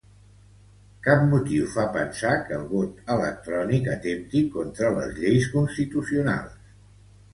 Cap motiu fa pensar que el vot electrònic atempti contra les lleis constitucionals